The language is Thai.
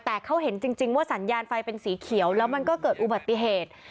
แต่เขาเห็นจริงว่าสัญญาณไฟเป็นสีเขียวแล้วมันก็เกิดอุบัติเหตุ